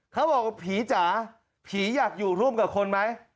เขาบอกว่าผีจ๋าผีอยากอยู่ร่วมกับคนไหม